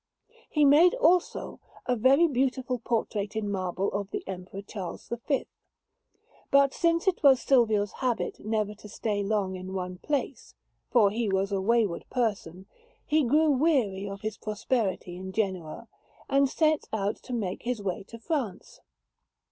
He made, also, a very beautiful portrait in marble of the Emperor Charles V. But since it was Silvio's habit never to stay long in one place for he was a wayward person he grew weary of his prosperity in Genoa, and set out to make his way to France.